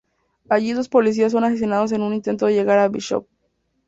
Allí dos policías son asesinados en un intento de llegar a Bishop.